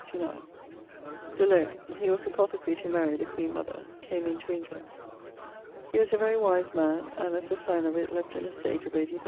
De Laune: he was apothecary to Mary the queen mother: came into England.... He was a very wise man, and as a signe of it left an estate of 80,000 _li.